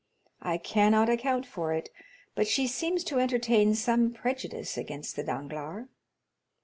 I cannot account for it, but she seems to entertain some prejudice against the Danglars."